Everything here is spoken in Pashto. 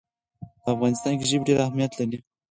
په افغانستان کې ژبې ډېر اهمیت لري.